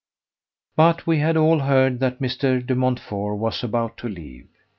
But we had all heard that Mr. De Montfort was about to leave.